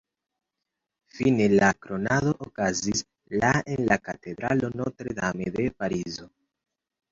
Fine, la kronado okazis la en la katedralo Notre-Dame de Parizo.